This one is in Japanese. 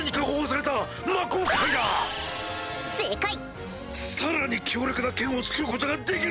さらに強力な剣を作ることができる！